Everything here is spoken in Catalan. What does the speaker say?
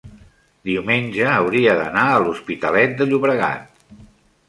diumenge hauria d'anar a l'Hospitalet de Llobregat.